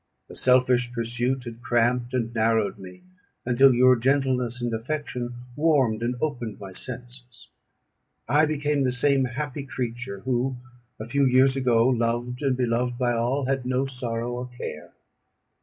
A selfish pursuit had cramped and narrowed me, until your gentleness and affection warmed and opened my senses; I became the same happy creature who, a few years ago, loved and beloved by all, had no sorrow or care.